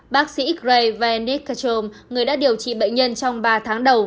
bác sĩ greg vanekatrom người đã điều trị bệnh nhân trong ba tháng đầu